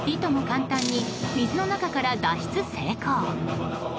簡単に水の中から脱出成功。